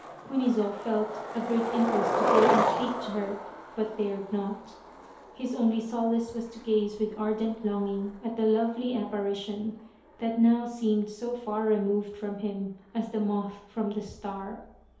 Kunizo felt a great impulse to go and speak to her, but dared not. His only solace was to gaze with ardent longing at the lovely apparition, that now seemed as far removed from him as the moth from the star.